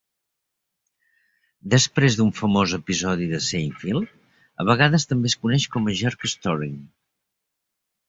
Després d'un famós episodi de Seinfeld, a vegades també es coneix com a "jerk-storing".